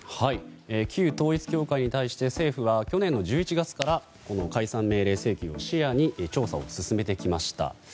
旧統一教会に対して政府は去年の１１月から解散命令請求を視野に調査を進めてきました。